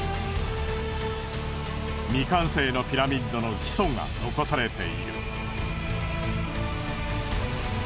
未完成のピラミッドの基礎が残されている。